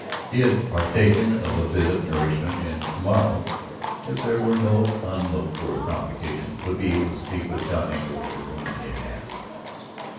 He had partaken of a bit of nourishment and to morrow, if there were no unlooked for complications, would be able to speak with John Engle for whom he had asked.